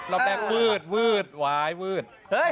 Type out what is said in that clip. เฮ้อเราแบกวืดวายวืด